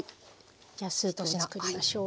じゃスープをつくりましょう。